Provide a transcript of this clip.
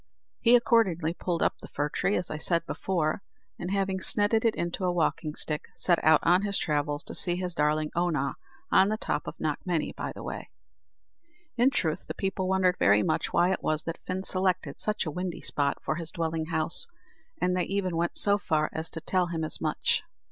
He accordingly pulled up the fir tree, as I said before, and having snedded it into a walking stick, set out on his travels to see his darling Oonagh on the top of Knockmany, by the way. In truth, the people wondered very much why it was that Fin selected such a windy spot for his dwelling house, and they even went so far as to tell him as much.